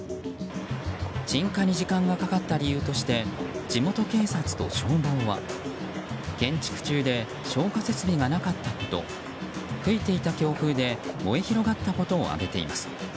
鎮火に時間がかかった理由として地元警察と消防は建築中で消火設備がなかったこと吹いていた強風で燃え広がったことを挙げています。